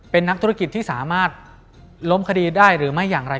เป็นนักธุรกิจที่สามารถล้มคดีได้หรือไม่อย่างไร